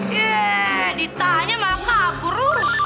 yee ditanya malah kabur